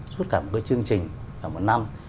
suốt cả một cái chương trình cả một năm